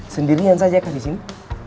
sendirian saja kah disini